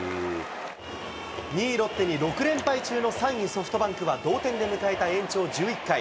２位ロッテに６連敗中の３位ソフトバンクは同点で迎えた延長１１回。